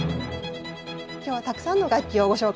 今日はたくさんの楽器をご紹介したいと思います。